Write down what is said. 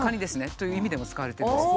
という意味でも使われているんですよ。